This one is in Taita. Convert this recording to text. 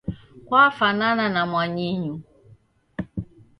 Kwafanana na mwanyinyu